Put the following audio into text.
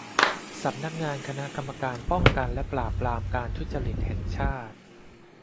สำนักงานคณะกรรมการป้องกันและปราบปรามการทุจริตแห่งชาติ